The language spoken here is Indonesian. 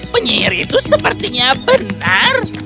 penyihir itu sepertinya benar